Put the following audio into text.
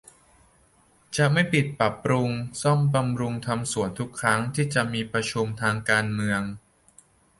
จะไม่ปิดปรับปรุงซ่อมบำรุงทำสวน ทุกครั้งที่จะมีชุมนุมทางการเมือง